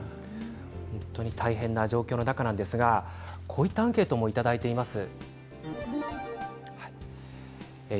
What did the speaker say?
大変な状況の中なんですがこういったアンケートもいただきました。